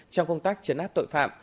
trong công tác chấn áp tội phạm